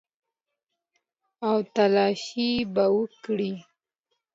او تلاشي به وکړي.